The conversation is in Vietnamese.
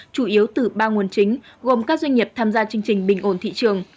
chủ yếu từ ba nguồn chính gồm các doanh nghiệp tham gia chương trình bình ổn thị trường